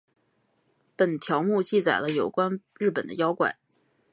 本条目记载了有关日本的妖怪。